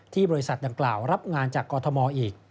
บริษัทดังกล่าวรับงานจากกอทมอีก